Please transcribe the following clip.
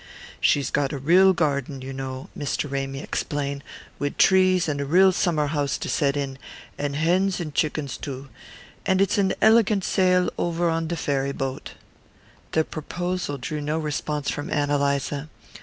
"She's got a real garden, you know," Mr. Ramy explained, "wid trees and a real summer house to set in; and hens and chickens too. And it's an elegant sail over on de ferry boat." The proposal drew no response from Ann Eliza.